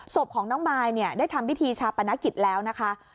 ศพของน้องมายได้ทำพิธีชาปนกิจแล้วนะคะ